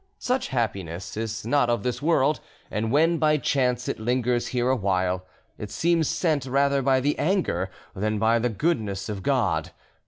Such happiness is not of this world, and when by chance it lingers here a while, it seems sent rather by the anger than by the goodness of God.